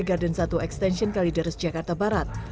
di tempat kejadian satu ekstensi kalideres jakarta barat